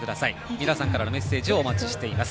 皆さんからのメッセージをお待ちしています。